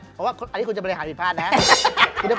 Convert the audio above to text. เพราะว่าอันนี้คุณจะบริหารผิดพลาดนะครับ